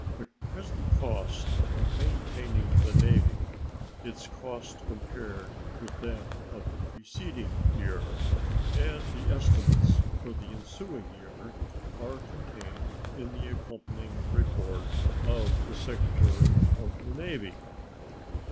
The present cost of maintaining the Navy, its cost compared with that of the preceding year, and the estimates for the ensuing year are contained in the accompanying report of the Secretary of the Navy.